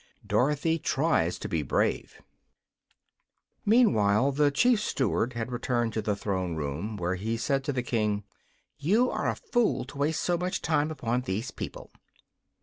Dorothy Tries to be Brave Meantime the Chief Steward had returned to the throne room, where he said to the King: "You are a fool to waste so much time upon these people."